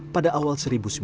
pada awal seribu sembilan ratus